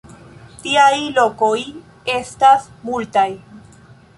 Tiaj lokoj estas multaj.